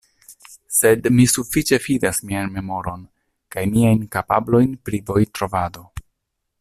Sed mi sufiĉe fidas mian memoron kaj miajn kapablojn pri vojtrovado.